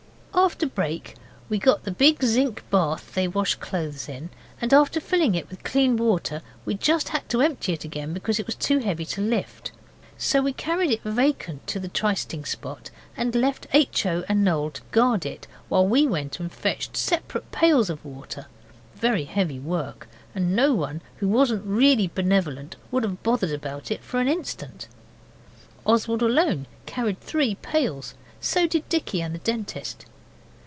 After brek we got the big zinc bath they wash clothes in, and after filling it with clean water we just had to empty it again because it was too heavy to lift. So we carried it vacant to the trysting spot and left H. O. and Noel to guard it while we went and fetched separate pails of water; very heavy work, and no one who wasn't really benevolent would have bothered about it for an instant. Oswald alone carried three pails. So did Dicky and the Dentist.